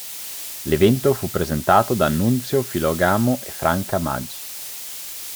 L'evento fu presentato da Nunzio Filogamo e Franca Maj.